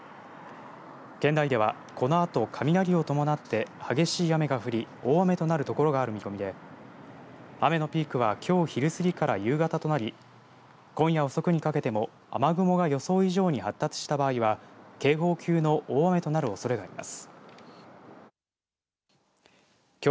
県内では、このあと雷を伴って激しい雨が降り大雨となる所がある見込みで雨のピークはきょう昼すぎから夕方となり今夜遅くにかけても雨雲が予想以上に発達した場合は警報級の大雨となるおそれがあります。